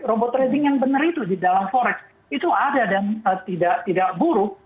robot trading yang benar itu di dalam forex itu ada dan tidak buruk